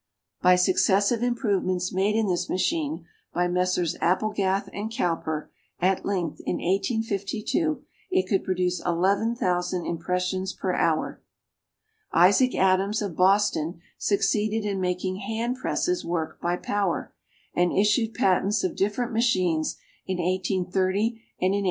By successive improvements made in this machine by Messrs. Applegath & Cowper, at length, in 1852, it could produce 11,000 impressions per hour. Isaac Adams, of Boston, succeeded in making hand presses work by power, and issued patents of different machines in 1830 and in 1836.